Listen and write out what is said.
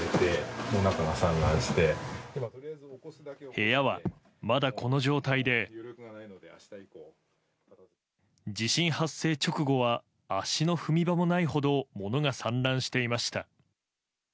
部屋は、まだこの状態で地震発生直後は足の踏み場もないほど物が散乱していました。